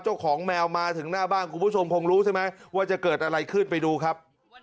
เจ้าของแมวมาถึงหน้าบ้านคุณผู้ชมคงรู้ใช่ไหมว่าจะเกิดอะไรขึ้นไปดูครับ